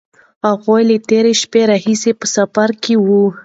هغوی له تېرې شپې راهیسې په سفر کې وو.